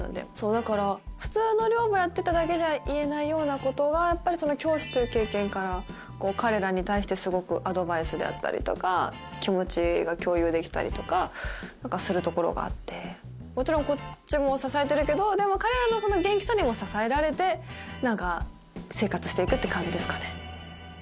だから普通の寮母やってただけじゃ言えないようなことが教師という経験から彼らに対してすごくアドバイスであったりとか気持ちが共有できたりとかするところがあってもちろんこっちも支えてるけどでも彼らの元気さにも支えられて何か生活していくって感じですかね